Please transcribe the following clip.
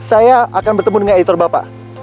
saya akan bertemu dengan editor bapak